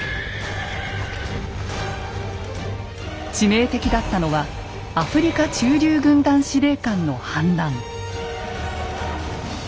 致命的だったのはアフリカ駐留軍団司令官の反乱。